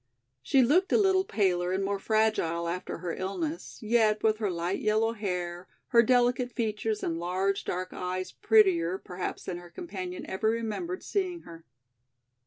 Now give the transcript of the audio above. She looked a little paler and more fragile after her illness, yet with her light yellow hair, her delicate features and large dark eyes prettier perhaps than her companion ever remembered seeing her.